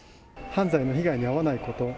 犯罪の被害に遭わないこと